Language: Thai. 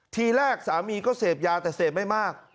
ทีแรกสามีก็เสพยาแต่เสพไม่มาก